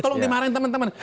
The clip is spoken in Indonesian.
tolong dimarahin teman teman